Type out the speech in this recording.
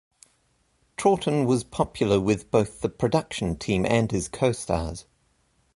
Troughton was popular with both the production team and his co-stars.